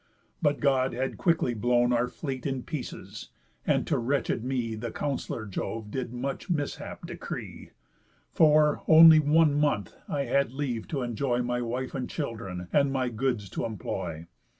But God had quickly blown Our fleet in pieces; and to wretched me The counsellor Jove did much mishap decree, For, only one month, I had leave t' enjoy My wife and children, and my goods t' employ.